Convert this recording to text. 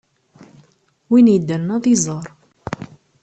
Win yeddren, ad iẓer.